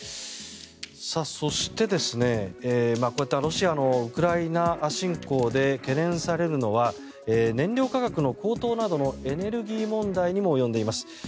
そして、こうやってロシアのウクライナ侵攻で懸念されるのは燃料価格の高騰などのエネルギー問題にも及んでいます。